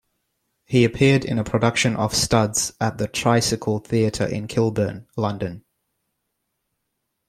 He appeared in a production of "Studs" at The Tricycle Theatre in Kilburn, London.